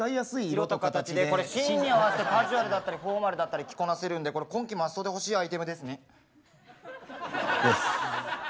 色と形でこれシーンに合わせてカジュアルだったりフォーマルだったり着こなせるんでこれ今期マストで欲しいアイテムですね。です。